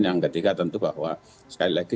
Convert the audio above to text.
yang ketiga tentu bahwa sekali lagi